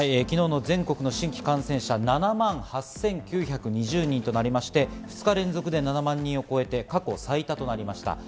昨日の全国の新規感染者は７万８９２０人となりまして、２日連続で７万人を超えて過去最多となりました。